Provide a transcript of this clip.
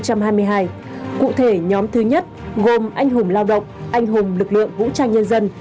cụ thể nhóm thứ nhất gồm anh hùng lao động anh hùng lực lượng vũ trang nhân dân